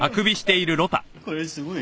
これすごいね。